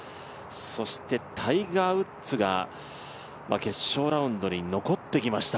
そして、タイガー・ウッズが決勝ラウンドに残ってきました。